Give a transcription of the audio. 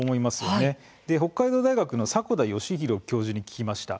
北海道大学の迫田義博教授に聞きました。